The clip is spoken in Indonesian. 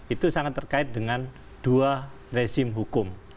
itu sangat terkait dengan dua resim hukum